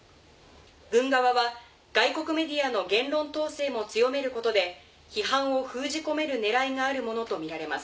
軍側は外国メディアの言論統制も強めることで批判を封じ込める狙いがあるものと見られます。